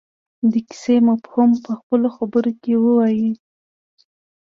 د کیسې مفهوم په خپلو خبرو کې ووايي.